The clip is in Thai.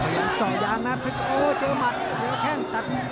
ยังเจาะยางนะเพชรสกนโอ้เจอหมัดเขียวแค่งตัด